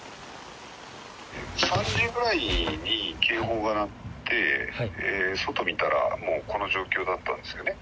３時ぐらいに警報が鳴って、外見たら、もうこの状況だったんですよね。